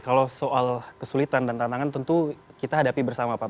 kalau soal kesulitan dan tantangan tentu kita hadapi bersama pak